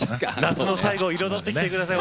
夏の最後を彩ってきて下さい。